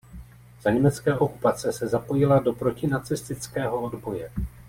Za německé okupace se zapojila do protinacistického odboje.